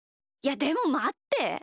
いやでもまって。